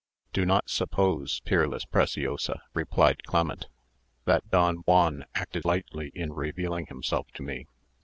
"Do not suppose, peerless Preciosa," replied Clement, "that Don Juan acted lightly in revealing himself to me.